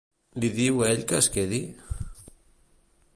Li diu ell que es quedi?